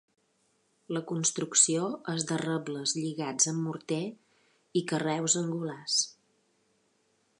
La construcció és de rebles lligats amb morter i carreus angulars.